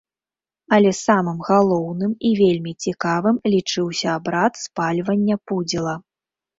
Але самым галоўным і вельмі цікавым лічыўся абрад спальвання пудзіла.